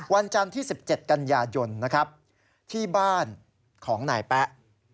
วันจันทร์ที่๑๗กันยายนนะครับที่บ้านของนายแป๊ะ